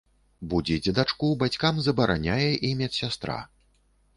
Будзіць дачку бацькам забараняе і медсястра.